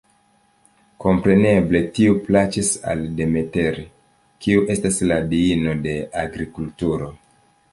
Kompreneble tiu plaĉis al Demeter, kiu estas la diino de agrikulturo.